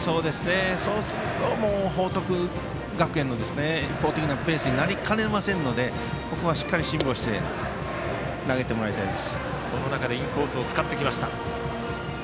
そうすると報徳学園の一方的なペースになりかねませんのでここはしっかり辛抱して投げてもらいたいです。